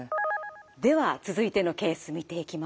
では続いてのケース見ていきます。